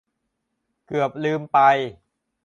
เกือบลืมไป